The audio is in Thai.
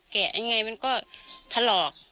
แกะยังไงมันก็ทะลอก